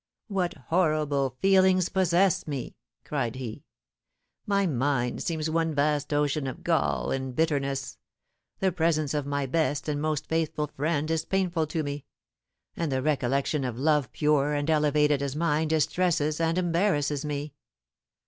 "What horrible feelings possess me!" cried he. "My mind seems one vast ocean of gall and bitterness; the presence of my best and most faithful friend is painful to me; and the recollection of a love pure and elevated as mine distresses and embarrasses me.